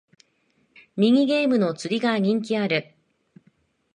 ミニゲームの釣りが人気ある